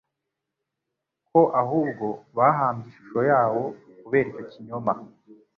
ko ahubwo bahambye ishusho yawo. Kubera icyo kinyoma,